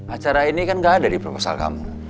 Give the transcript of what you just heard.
acara ini kan gak ada di proposal kamu